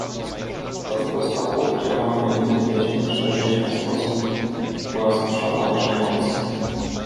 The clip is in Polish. "Rozpusta płciowa między dziećmi szerzy się w sposób wprost przerażający."